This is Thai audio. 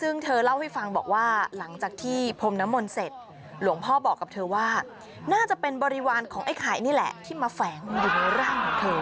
ซึ่งเธอเล่าให้ฟังบอกว่าหลังจากที่พรมน้ำมนต์เสร็จหลวงพ่อบอกกับเธอว่าน่าจะเป็นบริวารของไอ้ไข่นี่แหละที่มาแฝงอยู่ในร่างของเธอ